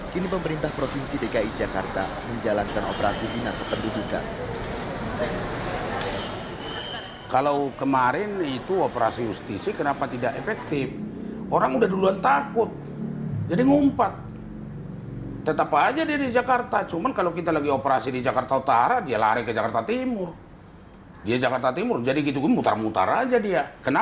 kini pemerintah provinsi dki jakarta menjalankan operasi binatang kependudukan